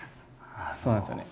そうなんですよね。